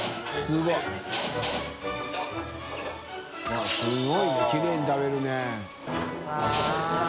錣すごいなきれいに食べるね。